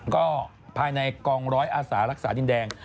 ก็ภายในกองร้อยอาสารักษาดินแดง